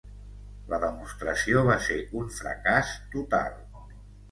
La demostració va ser un fracàs total.